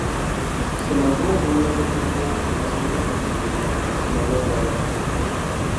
Se mantuvo por un largo tiempo en la Segunda profesional sin mayor logro.